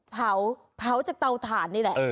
เผาเผาจากเตาถ่านนี่แหละ